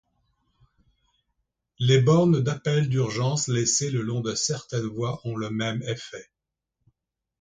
Les bornes d'appel d'urgence laissés le long de certaines voies ont le même effet.